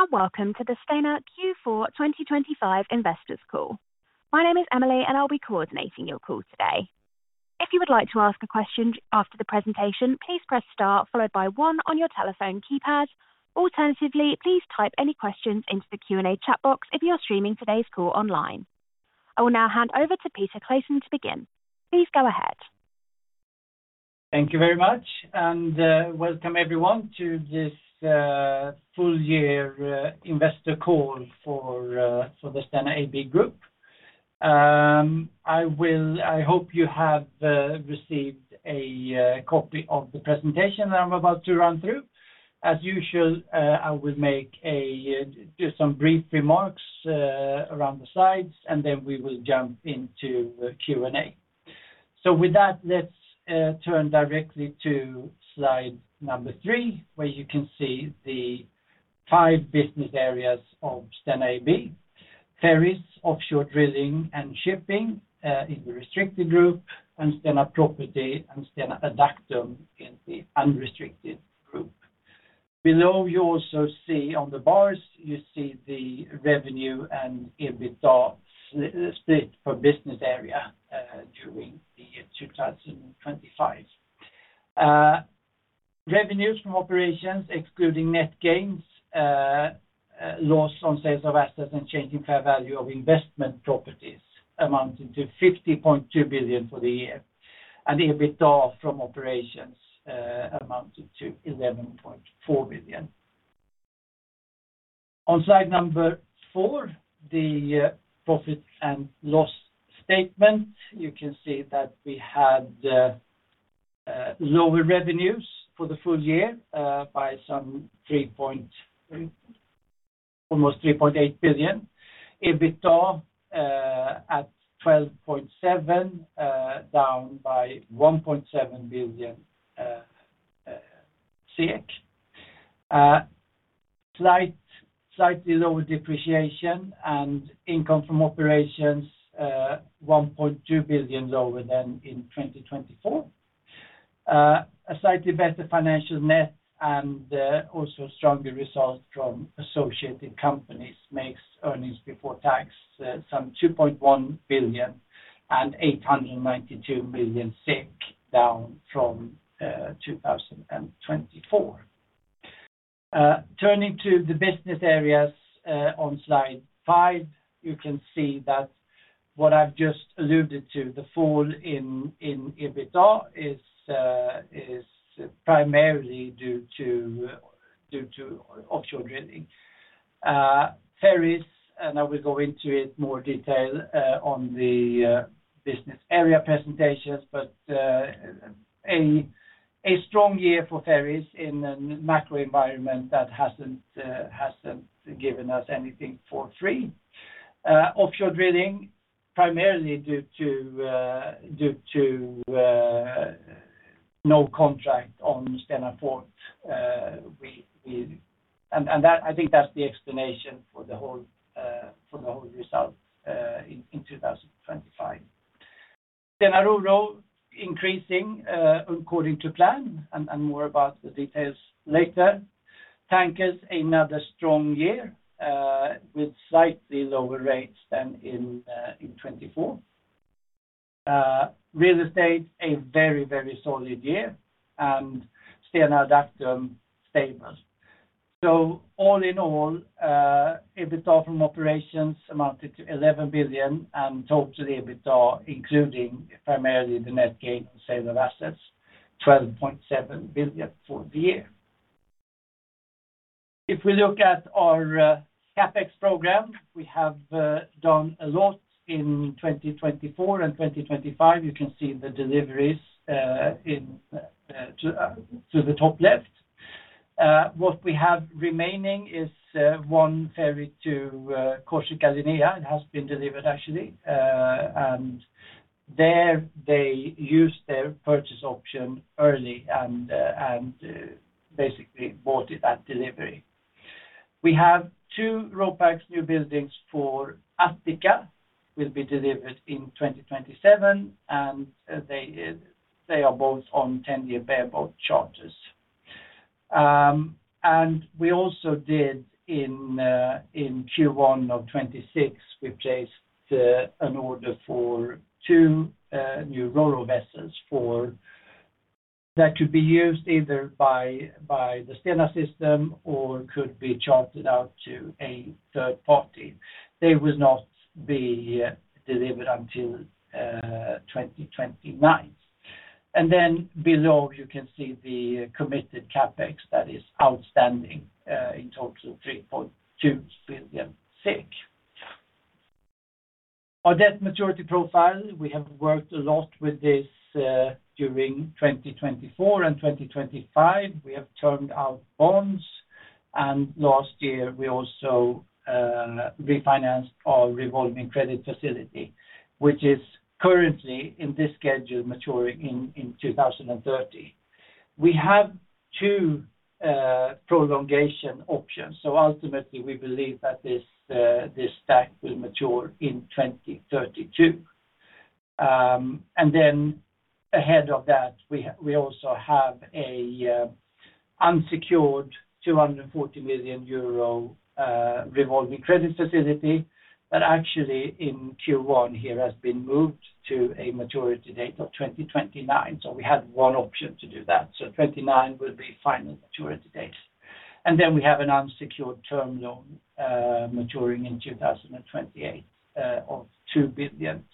Hello, and welcome to the Stena Q4 2025 Investors Call. My name is Emily and I'll be coordinating your call today. If you would like to ask a question after the presentation, please press star followed by one on your telephone keypad. Alternatively, please type any questions into the Q&A chat box if you're streaming today's call online. I will now hand over to Peter Claussen to begin. Please go ahead. Thank you very much, and welcome everyone to this full year investor call for the Stena AB Group. I hope you have received a copy of the presentation that I'm about to run through. As usual, I will do some brief remarks around the slides, and then we will jump into Q&A. With that, let's turn directly to slide three, where you can see the five business areas of Stena AB. Ferries, Offshore Drilling, and Shipping in the restricted group, and Stena Property and Stena Adactum in the unrestricted group. Below you also see on the bars, you see the revenue and EBITDA split for business area during the year 2025. Revenues from operations, excluding net gains, loss on sales of assets, and change in fair value of investment properties amounted to 50.2 billion for the year, and EBITDA from operations amounted to 11.4 billion. On slide four, the profit and loss statement, you can see that we had lower revenues for the full year by almost 3.8 billion. EBITDA at 12.7 billion, down by 1.7 billion. Slightly lower depreciation and income from operations, 1.2 billion lower than in 2024. A slightly better financial net and also stronger results from associated companies makes earnings before tax some 2.1 billion and 892 million down from 2024. Turning to the business areas on slide five, you can see that what I've just alluded to, the fall in EBITDA is primarily due to offshore drilling. Ferries, and I will go into it in more detail on the business area presentations, but a strong year for ferries in a macro environment that hasn't given us anything for free. Offshore drilling, primarily due to no contract on Stena Forth. I think that's the explanation for the whole result in 2025. Stena RoRo increasing according to plan, and more about the details later. Tankers, another strong year with slightly lower rates than in 2024. Real estate, a very solid year, and Stena Adactum stable. All in all, EBITDA from operations amounted to 11 billion and total EBITDA, including primarily the net gain on sale of assets, 12.7 billion for the year. If we look at our CapEx program, we have done a lot in 2024 and 2025. You can see the deliveries to the top left. What we have remaining is one ferry to Corsica Linea. It has been delivered actually. There they used their purchase option early and basically bought it at delivery. We have two ropax newbuildings for Attica, will be delivered in 2027, and they are both on 10-year bareboat charters. We also did in Q1 of 2026, we placed an order for two new roro vessels that could be used either by the Stena system or could be chartered out to a third party. They will not be delivered until 2029. Below you can see the committed CapEx that is outstanding, in total 3.2 billion. Our debt maturity profile, we have worked a lot with this during 2024 and 2025. We have termed out bonds, and last year we also refinanced our revolving credit facility, which is currently in this schedule maturing in 2030. We have two prolongation options. Ultimately we believe that this stack will mature in 2032. Ahead of that, we also have an unsecured 240 million euro revolving credit facility that actually in Q1 here has been moved to a maturity date of 2029. We had one option to do that. 2029 will be final maturity date. We have an unsecured term loan maturing in 2028 of 2 billion.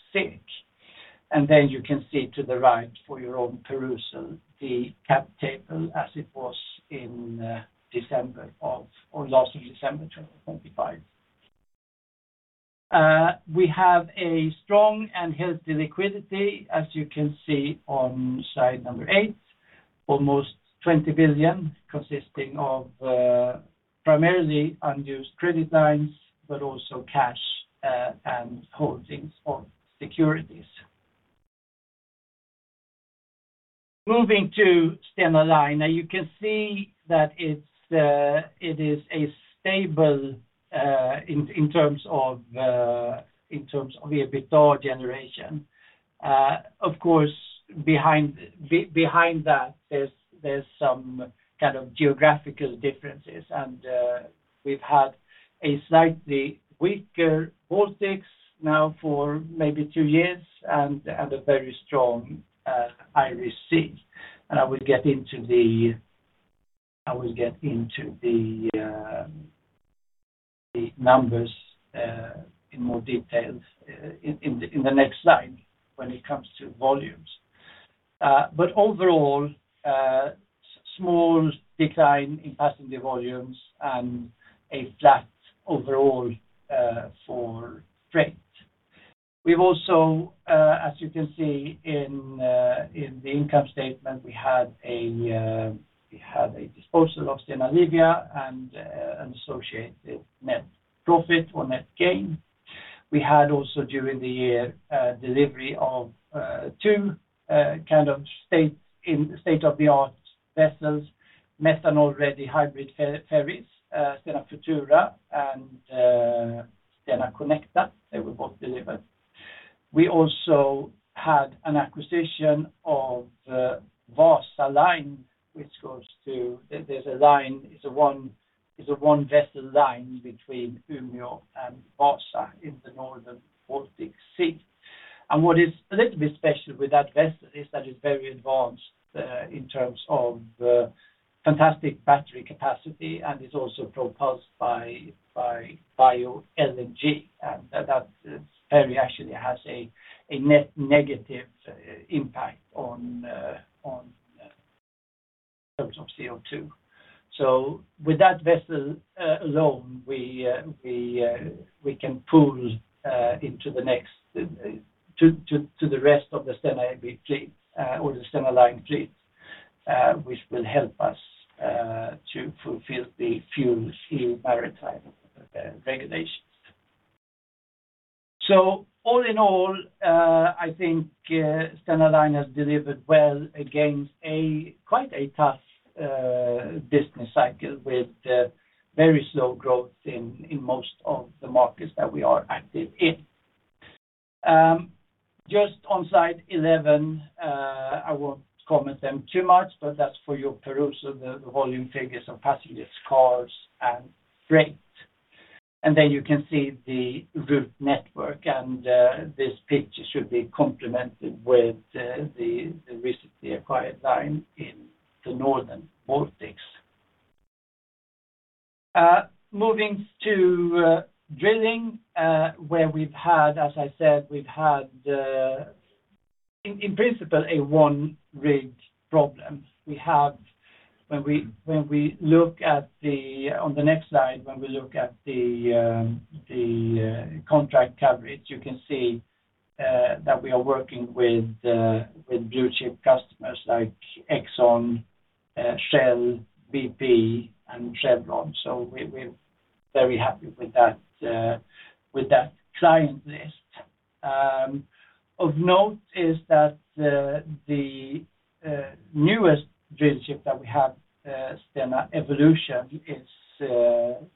You can see to the right for your own perusal, the cap table as it was in December 2025. We have a strong and healthy liquidity, as you can see on slide number eight, almost 20 billion, consisting of primarily unused credit lines, but also cash and holdings of securities. Moving to Stena Line. You can see that it is stable in terms of EBITDA generation. Of course, behind that, there's some kind of geographical differences. We've had a slightly weaker Baltics now for maybe two years and a very strong Irish Sea. I will get into the numbers in more details in the next slide when it comes to volumes. Overall, small decline in passenger volumes and a flat overall for freight. We've also, as you can see in the income statement, we had a disposal of Stena Bolivia and associated net profit or net gain. We had also during the year, delivery of two state-of-the-art vessels, methanol-ready hybrid ferries, Stena Futura and Stena Connecta. They were both delivered. We also had an acquisition of Wasaline. It's a one-vessel line between Umeå and Vaasa in the northern Baltic Sea. What is a little bit special with that vessel is that it's very advanced in terms of fantastic battery capacity and is also propelled by bio-LNG. That ferry actually has a net negative impact in terms of CO2. With that vessel alone, we can pull into the rest of the Stena AB fleet or the Stena Line fleet which will help us to fulfill the FuelEU Maritime regulations. All in all, I think Stena Line has delivered well against quite a tough business cycle with very slow growth in most of the markets that we are active in. Just on slide 11, I won't comment them too much, but that's for your perusal, the volume figures of passengers, cars, and freight. Then you can see the route network, and this picture should be complemented with the recently acquired line in the northern Baltics. Moving to drilling, where we've had, as I said, in principle, a one-rig problem. On the next slide, when we look at the contract coverage, you can see that we are working with blue-chip customers like Exxon, Shell, BP, and Chevron. We're very happy with that client list. Of note is that the newest drillship that we have, Stena Evolution,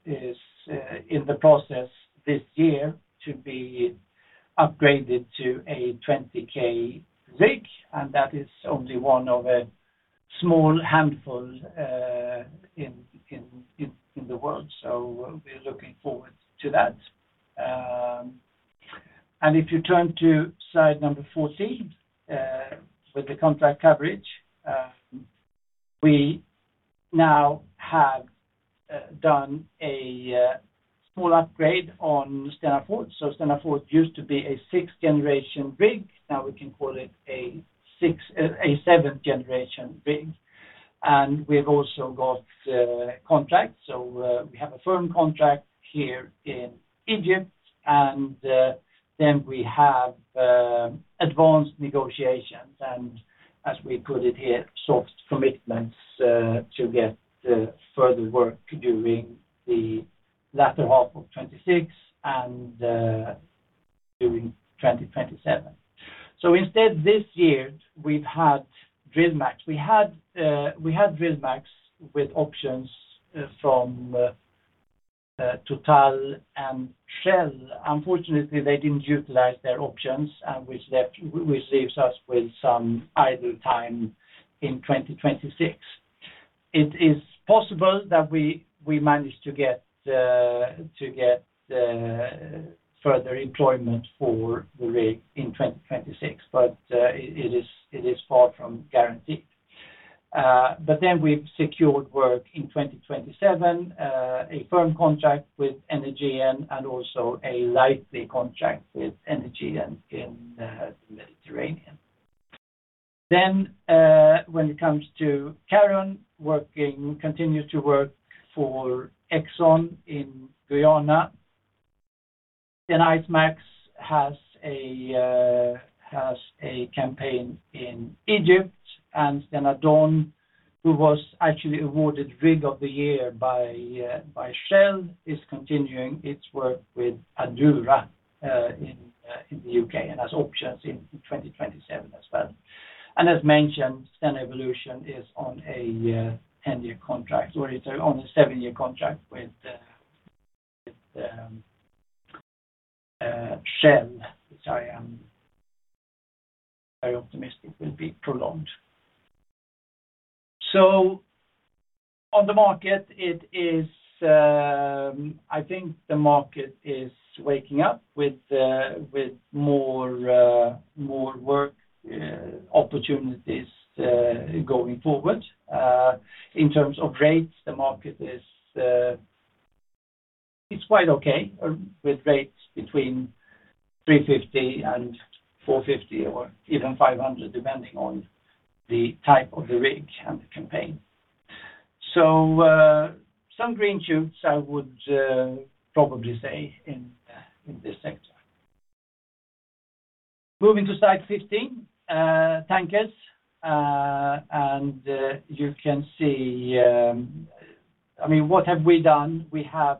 is in the process this year to be upgraded to a 20K rig, and that is only one of a small handful in the world. We're looking forward to that. If you turn to slide number 14 with the contract coverage, we now have done a small upgrade on Stena Forth. Stena Forth used to be a sixth-generation rig. Now we can call it a seventh-generation rig. We've also got contracts. We have a firm contract here in Egypt, and then we have advanced negotiations and, as we put it here, soft commitments to get further work during the latter half of 2026 and during 2027. Instead, this year, we had Stena DrillMAX with options from Total and Shell, unfortunately, they didn't utilize their options, which leaves us with some idle time in 2026. It is possible that we manage to get further employment for the rig in 2026, but it is far from guaranteed. We've secured work in 2027, a firm contract with Energean, and also a letter contract with Energean in the Mediterranean. When it comes to Stena Carron, it continues to work for Exxon in Guyana. Stena IceMAX has a campaign in Egypt, and Stena Don, who was actually awarded Rig of the Year by Shell, is continuing its work with Shell in the UK, and has options in 2027 as well. As mentioned, Stena Evolution is on a seven-year contract with Shell, which I am very optimistic will be prolonged. On the market, I think the market is waking up with more work opportunities going forward. In terms of rates, the market is quite okay, with rates between $350,000-$450,000, or even $500,000, depending on the type of the rig and the campaign. Some green shoots, I would probably say in this sector. Moving to slide 15, tankers. You can see what have we done? We have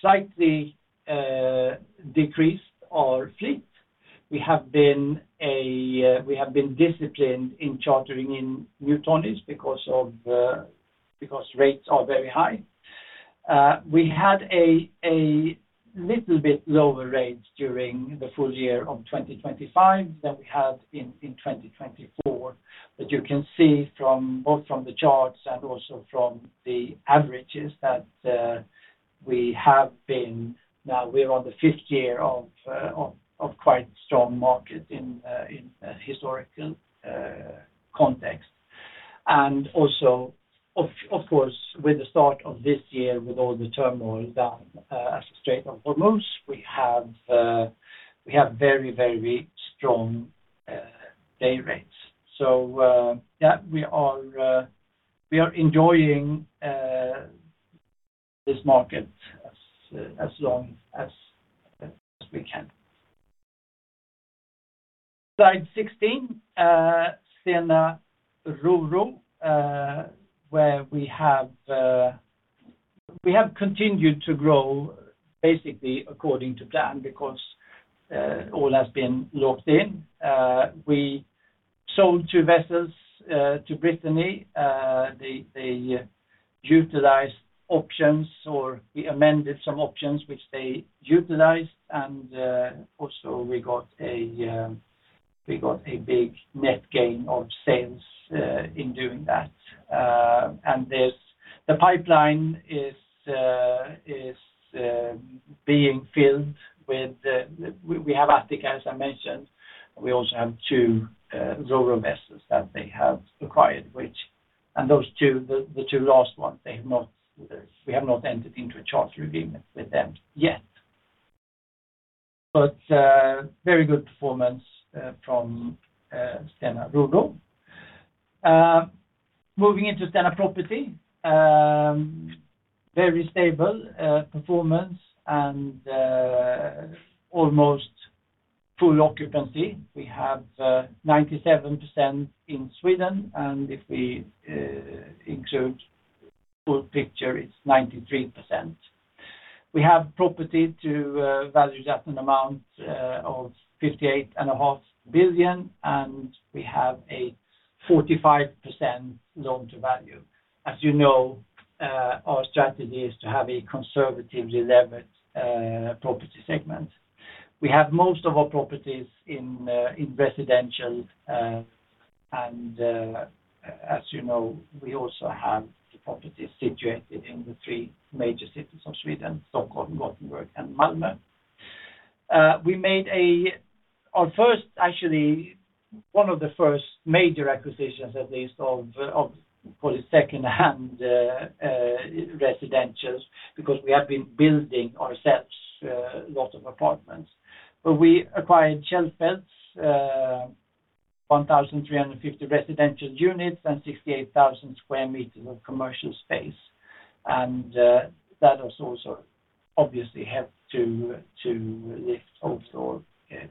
slightly decreased our fleet. We have been disciplined in chartering in Newton because rates are very high. We had a little bit lower rates during the full year of 2025 than we had in 2024. You can see both from the charts and also from the averages that we are on the fifth year of quite strong market in historical context. Of course, with the start of this year, with all the turmoil down at the Strait of Hormuz, we have very strong day rates. Yeah, we are enjoying this market as long as we can. Slide 16. Stena RoRo, where we have continued to grow, basically according to plan, because all has been locked in. We sold two vessels to Brittany Ferries. They utilized options, or we amended some options which they utilized, and also we got a big net gain of sales in doing that. The pipeline is being filled. We have Attica, as I mentioned, we also have two RoRo vessels that they have acquired, and those two, the two last ones, we have not entered into a charter agreement with them yet. Very good performance from Stena RoRo. Moving into Stena Property. Very stable performance and almost full occupancy. We have 97% in Sweden, and if we include full picture, it's 93%. We have property value just an amount of 58.5 billion, and we have a 45% loan-to-value. As you know, our strategy is to have a conservatively levered property segment. We have most of our properties in residential, and, as you know, we also have the properties situated in the three major cities of Sweden, Stockholm, Gothenburg and Malmö. We made our first, actually, one of the first major acquisitions, at least of second-hand residentials, because we have been building ourselves a lot of apartments. We acquired Sjælsø 1,350 residential units and 68,000 sq m of commercial space. That has also obviously helped to lift also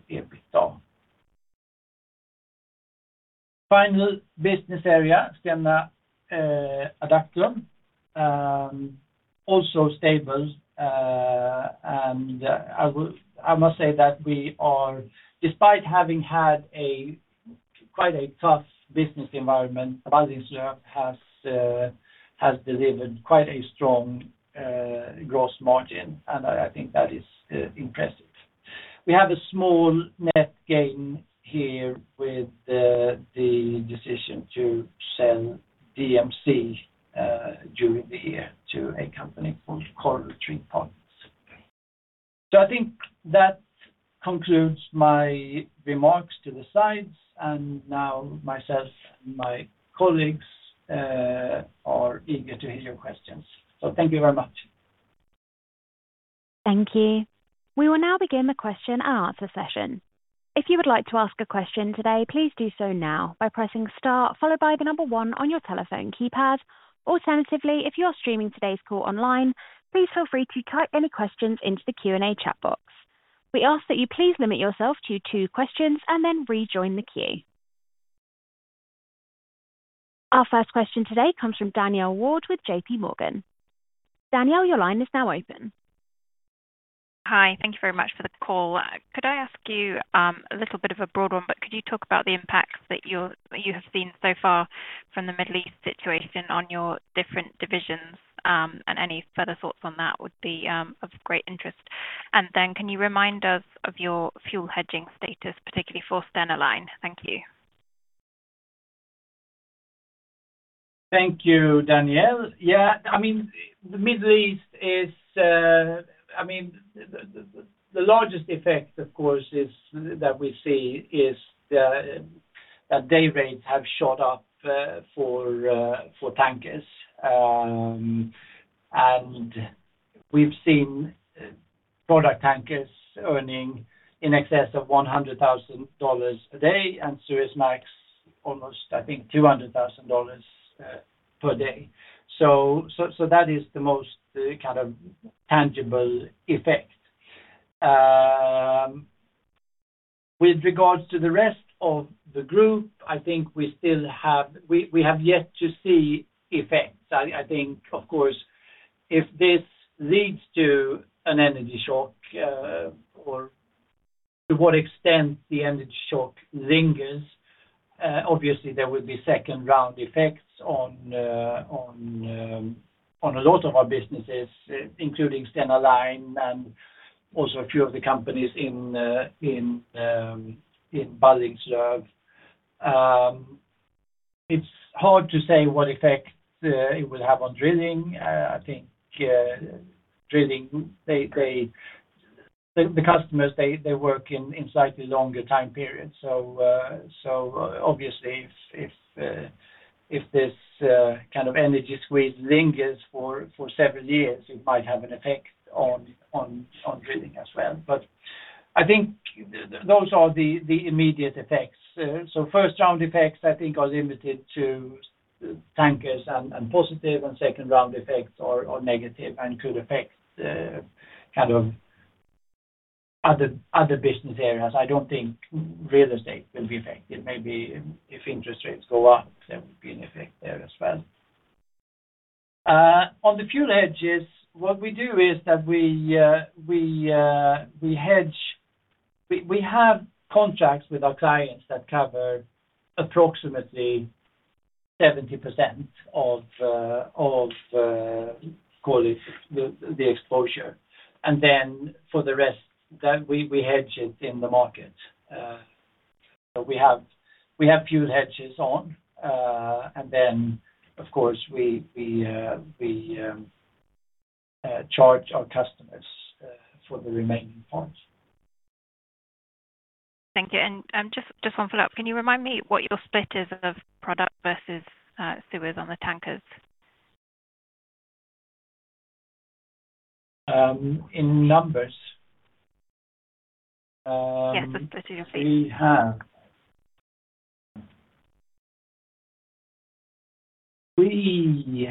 EBITDA. Final business area, Stena Adactum. Also stable. I must say that despite having had quite a tough business environment, Ballingslöv has delivered quite a strong gross margin, and I think that is impressive. We have a small net gain here with the decision to sell DMC during the year to a company called Coral Tree. I think that concludes my remarks to the slides, and now myself and my colleagues are eager to hear your questions. Thank you very much. Thank you. We will now begin the question and answer session. If you would like to ask a question today, please do so now by pressing star, followed by the number one on your telephone keypad. Alternatively, if you are streaming today's call online, please feel free to type any questions into the Q&A chat box. We ask that you please limit yourself to two questions and then rejoin the queue. Our first question today comes from Danielle Ward with JPMorgan. Danielle, your line is now open. Hi. Thank you very much for the call. Could I ask you a little bit of a broad one, but could you talk about the impacts that you have seen so far from the Middle East situation on your different divisions, and any further thoughts on that would be of great interest. Can you remind us of your fuel hedging status, particularly for Stena Line? Thank you. Thank you, Danielle. The Middle East, the largest effect, of course, that we see is that day rates have shot up for tankers. We've seen product tankers earning in excess of $100,000 a day, and Suezmax almost, I think, $200,000 per day. That is the most tangible effect. With regards to the rest of the group, I think we have yet to see effects. I think, of course, if this leads to an energy shock, or to what extent the energy shock lingers, obviously there will be second round effects on a lot of our businesses, including Stena Line and also a few of the companies in Ballingslöv. It's hard to say what effect it will have on drilling. I think drilling, the customers, they work in slightly longer time periods. Obviously if this kind of energy squeeze lingers for several years, it might have an effect on drilling as well. I think those are the immediate effects. First round effects, I think, are limited to tankers and positive and second round effects are negative and could affect other business areas. I don't think real estate will be affected. Maybe if interest rates go up, there will be an effect there as well. On the fuel hedges, what we do is that we have contracts with our clients that cover approximately 70% of the exposure. Then for the rest, we hedge it in the market. We have fuel hedges on, and then, of course, we charge our customers for the remaining fuel. Thank you. Just one follow-up. Can you remind me what your split is of product versus crude on the tankers? In numbers? Yes, the split, if you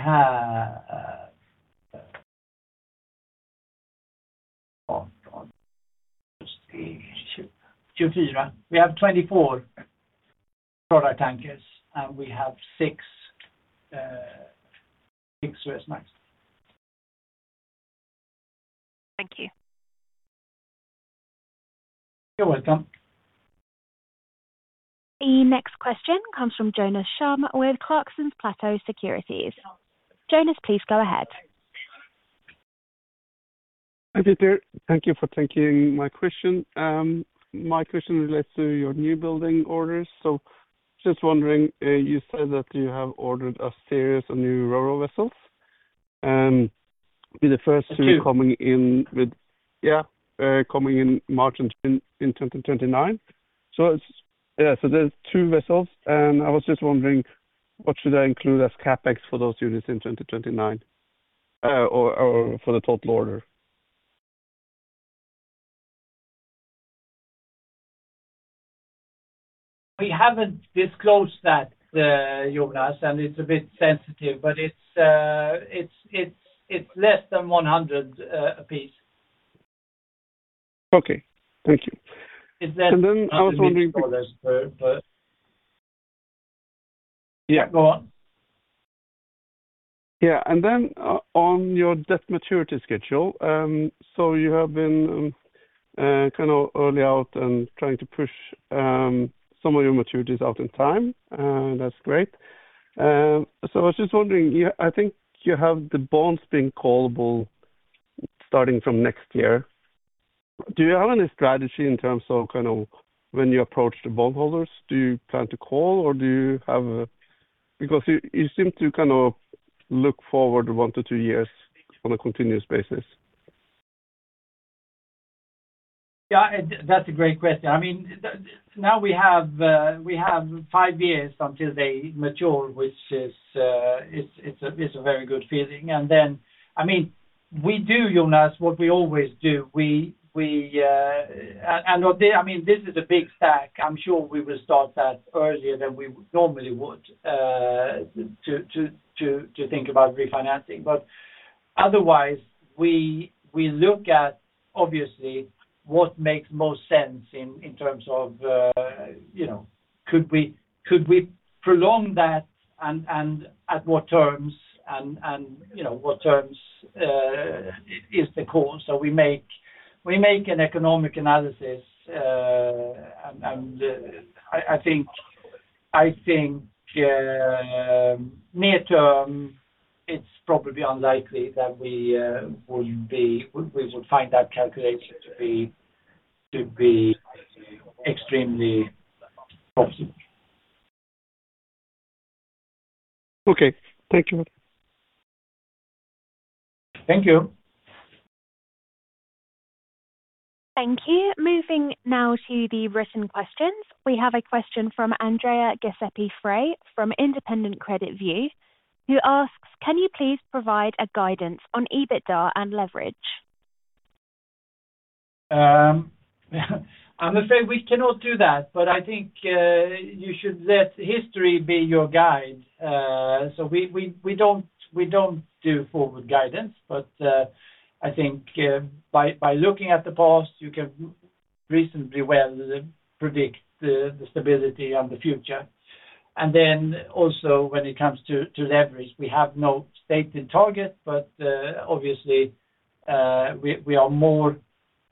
please. We have 24 product tankers and we have six Suezmax. Thank you. You're welcome. The next question comes from Jonas Shum with Clarksons Platou Securities. Jonas, please go ahead. Hi, Peter. Thank you for taking my question. My question relates to your newbuilding orders. Just wondering, you said that you have ordered a series of new RoRo vessels and with the first two coming in? Two. Yeah. Coming in March in 2029. There's two vessels and I was just wondering what should I include as CapEx for those units in 2029 or for the total order? We haven't disclosed that, Jonas, and it's a bit sensitive, but it's less than 100 a piece. Okay. Thank you. It's less- I was wondering. Yeah. Go on. Yeah, then on your debt maturity schedule. You have been early out and trying to push some of your maturities out in time. That's great. I was just wondering, I think you have the bonds being callable starting from next year. Do you have any strategy in terms of when you approach the bondholders? Do you plan to call or do you have a? Because you seem to look forward one to two years on a continuous basis. Yeah, that's a great question. Now we have five years until they mature, which is a very good feeling. We do, Jonas, what we always do. This is a big stack. I'm sure we will start that earlier than we normally would to think about refinancing. Otherwise, we look at, obviously, what makes most sense in terms of could we prolong that and at what terms, and what terms is the call? We make an economic analysis. I think near term, it's probably unlikely that we would find that calculation to be extremely positive. Okay. Thank you. Thank you. Thank you. Moving now to the written questions. We have a question from Andrea Giuseppe Frei from Independent Credit View AG, who asks, "Can you please provide a guidance on EBITDA and leverage? I'm afraid we cannot do that. I think you should let history be your guide. We don't do forward guidance. I think by looking at the past, you can reasonably well predict the stability and the future. Then also when it comes to leverage, we have no stated target. Obviously, we are more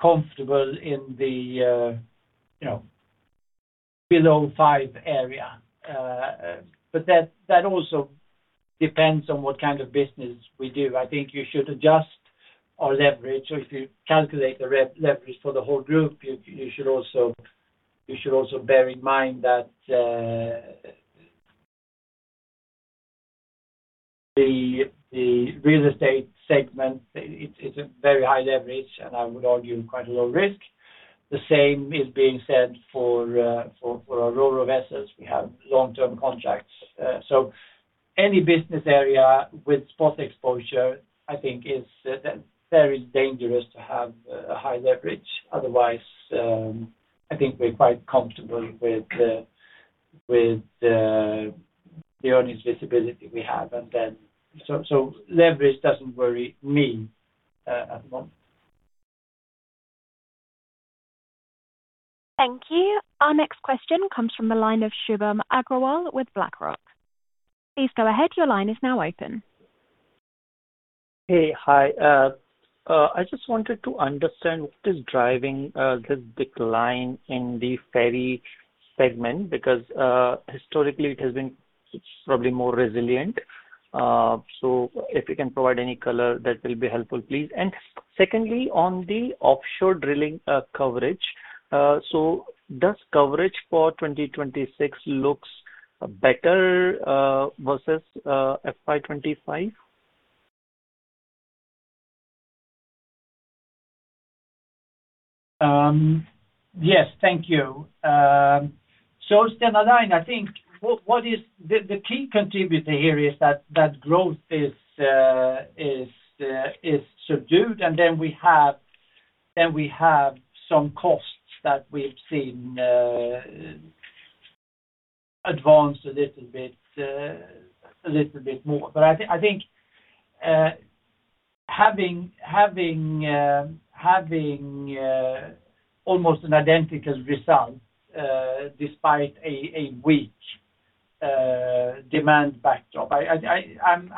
comfortable in the below five area. That also depends on what kind of business we do. I think you should adjust our leverage or if you calculate the leverage for the whole group, you should also bear in mind that the real estate segment, it's a very high leverage, and I would argue quite a low risk. The same is being said for our RoRo assets. We have long-term contracts. Any business area with spot exposure, I think, is very dangerous to have a high leverage. Otherwise, I think we're quite comfortable with the earnings visibility we have. Leverage doesn't worry me at the moment. Thank you. Our next question comes from the line of Shubham Agrawal with BlackRock. Please go ahead. Your line is now open. Hey. Hi. I just wanted to understand what is driving this decline in the ferry segment, because historically it has been probably more resilient. If you can provide any color, that will be helpful, please. And secondly, on the offshore drilling coverage. Does coverage for 2026 look better versus FY 2025? Yes. Thank you. Stena Drilling, I think the key contributor here is that growth is subdued, and then we have some costs that we've seen advance a little bit more. I think having almost an identical result despite a weak demand backdrop, I'm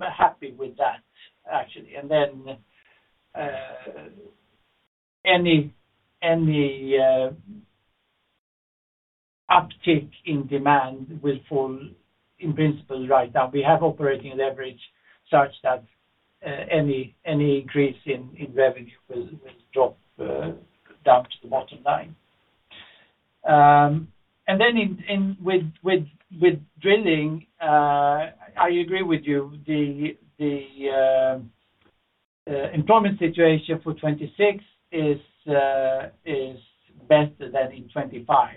happy with that, actually. Any uptick in demand will fall in principle right now. We have operating leverage such that any increase in revenue will drop down to the bottom line. With drilling, I agree with you. The employment situation for 2026 is better than in 2025.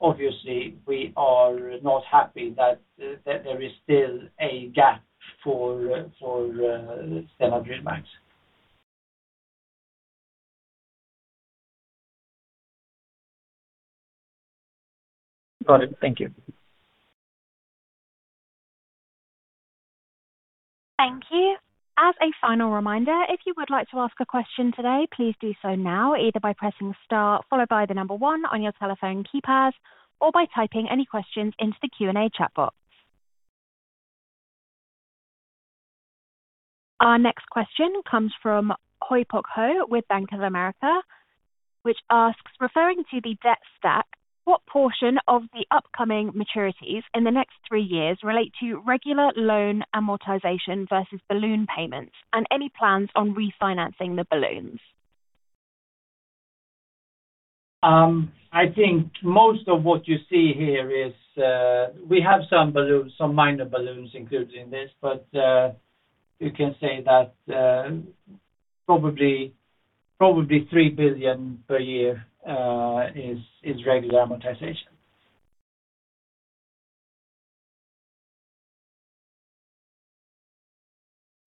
Obviously we are not happy that there is still a gap for Stena DrillMAX. Got it. Thank you. Thank you. As a final reminder, if you would like to ask a question today, please do so now, either by pressing star followed by the number one on your telephone keypads, or by typing any questions into the Q&A chat box. Our next question comes from Ioannis Pokos with Bank of America, which asks, "Referring to the debt stack, what portion of the upcoming maturities in the next three years relate to regular loan amortization versus balloon payments, and any plans on refinancing the balloons? I think most of what you see here is we have some minor balloons included in this, but you can say that probably 3 billion per year is regular amortization.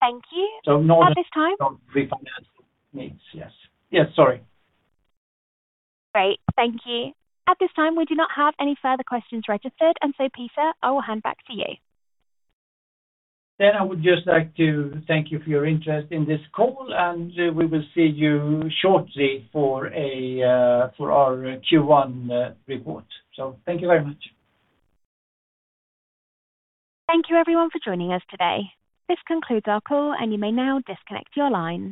Thank you. So no- At this time. Refinancing needs. Yes. Sorry. Great. Thank you. At this time, we do not have any further questions registered. Peter, I will hand back to you. I would just like to thank you for your interest in this call, and we will see you shortly for our Q1 report. Thank you very much. Thank you everyone for joining us today. This concludes our call and you may now disconnect your lines.